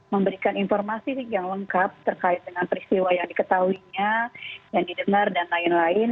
memberikan informasi yang lengkap terkait dengan peristiwa yang diketahuinya yang didengar dan lain lain